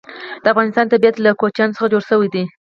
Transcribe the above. د افغانستان طبیعت له کوچیان څخه جوړ شوی دی.